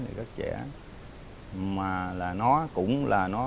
rồi nó bắt thằng thỏ